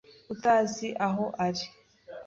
Utazi aho bari